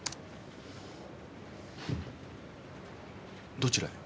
どちらへ？